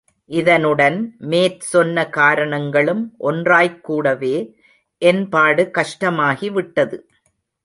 இதனுடன் மேற்சொன்ன காரணங்களும் ஒன்றாய்க் கூடவே, என் பாடு கஷ்டமாகி விட்டது.